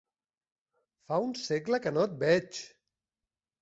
Fa un segle que no et veig!